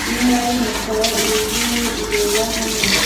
Imbwa y'umukara n'iyijimye ireba hamwe